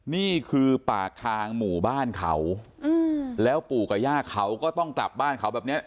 นี่คือปากทางหมู่บ้านเขาแล้วปู่กับย่าเขาก็ต้องกลับบ้านเขาแบบเนี้ย